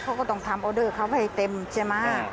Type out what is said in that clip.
เขาก็ต้องทำออเดอร์เขาให้เต็มใช่ไหม